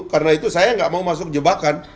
karena itu saya nggak mau masuk jebakan